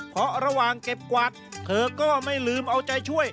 เพราะระหว่างเก็บกวาดเธอก็ไม่ลืมเอาใจช่วย